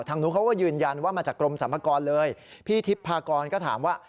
นู้นเขาก็ยืนยันว่ามาจากกรมสรรพากรเลยพี่ทิพย์พากรก็ถามว่า